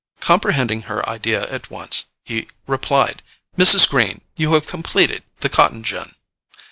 Comprehending her idea at once, he replied, "Mrs. Greene, you have completed the cotton gin."